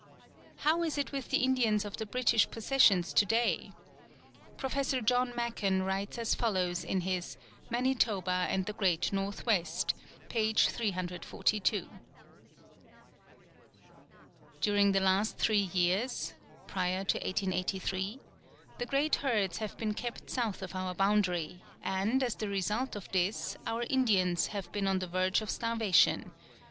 How is it with the Indians of the British Possessions to day? Prof. John Maconn writes as follows in his "Manitoba and the Great Northwest," page 342: "During the last three years [prior to 1883] the great herds have been kept south of our boundary, and, as the result of this, our Indians have been on the verge of starvation.